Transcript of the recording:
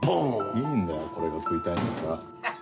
いいんだよこれが食いたいんだから。